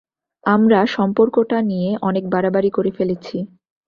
আমরা সম্পর্কটা নিয়ে অনেক বাড়াবাড়ি করে ফেলেছি।